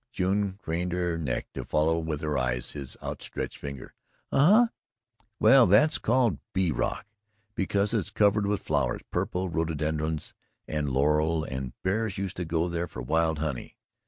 June craned her neck to follow with her eyes his outstretched finger. "Uh, huh." "Well, that's called Bee Rock, because it's covered with flowers purple rhododendrons and laurel and bears used to go there for wild honey.